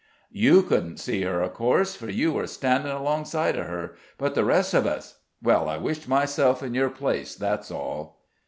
You couldn't see her, of course, for you were standing alongside of her; but the rest of us well, I wished myself in your place, that's all."